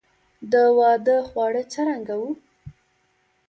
د واده خواړه څرنګه وو؟